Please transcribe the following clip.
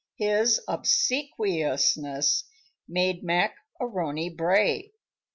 His obsequiousness made Mac A'Rony bray.